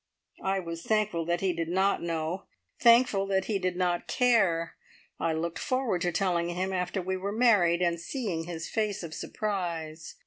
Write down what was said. "I was thankful that he did not know, thankful that he did not care. I looked forward to telling him after we were married, and seeing his face of surprise.